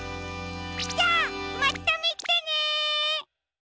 じゃまたみてね！